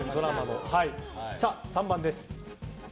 ３番です。